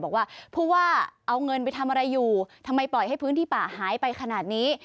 บอกว่าผู้ว่าเอาเงินไปทำอะไรอยู่ทำไมปล่อยให้พื้นที่ป่าหายไปขนาดนี้